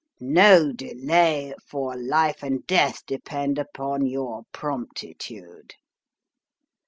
No delay ; for life and death depend upon your promptitude.'